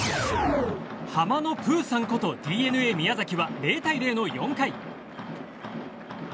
ハマのプーさんことＤｅＮＡ宮崎は０対０の４回。